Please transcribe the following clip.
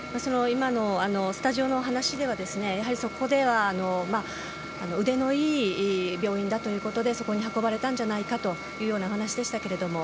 今のスタジオの話では腕のいい病院だということでそこに運ばれたんじゃないかというお話でしたけれども。